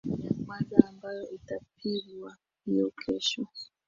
ya kwanza ambayo itapigwa hiyo kesho